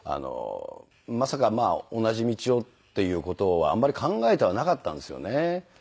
まさか同じ道をっていう事をあまり考えてはなかったんですよね。